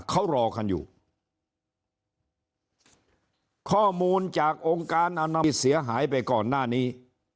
เขารอกันอยู่ข้อมูลจากองค์การอนามที่เสียหายไปก่อนหน้านี้